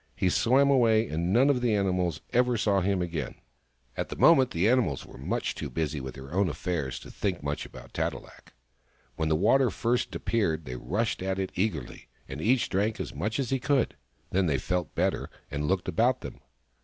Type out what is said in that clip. He swam away, and none of the animals ever saw him again. At that moment the animals were much too busy with their own affairs to think much about Tat e lak. When the water first appeared they rushed at it eagerly, and each drank as much as he could. Then they felt better, and looked about them.